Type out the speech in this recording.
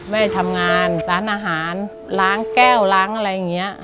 แม่ทำงานร้านอาหารล้างแก้วล้างอะไรอย่างนี้